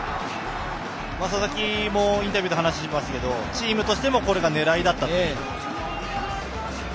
佐々木もインタビューで話してましたけどチームとしてもこれが狙いだった。